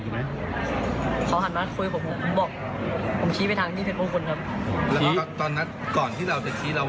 ผมชี้ไปทางที่เพชรมงคลครับ